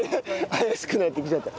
怪しくなってきちゃった。